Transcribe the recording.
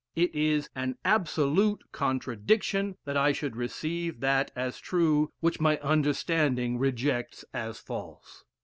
It is an absolute contradiction that I should receive that as true which my understanding rejects as false.